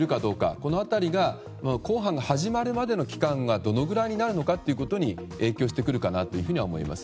この辺りが公判が始まるまでの期間がどのくらいになるのかということに影響してくるかなと思います。